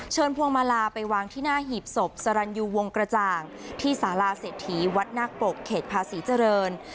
พวงมาลาไปวางที่หน้าหีบศพสรรยูวงกระจ่างที่สาราเศรษฐีวัดนาคปกเขตภาษีเจริญ